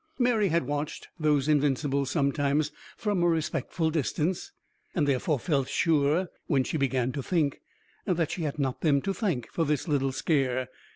Mary had watched those Invincibles sometimes from a respectful distance, and therefore felt sure (when she began to think) that she had not them to thank for this little scare.